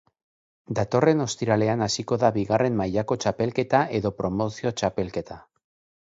Datorren ostiralean hasiko da bigarren mailako txapelketa edo promozio txapelketa.